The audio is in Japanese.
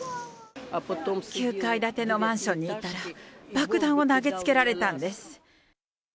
９階建てのマンションにいたら爆弾を投げつけられたんです。